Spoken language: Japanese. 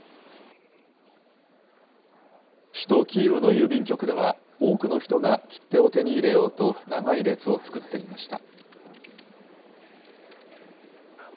首都キーウの郵便局では、多くの人が切手を手に入れようと長い列を作っていました。